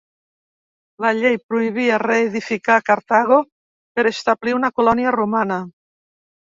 La llei prohibia reedificar Cartago per establir una colònia romana.